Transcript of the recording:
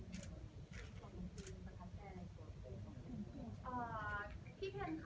พี่เพ็ญเค้าเป็นคนที่เสมอต้นกลุ่มปลายมากค่ะ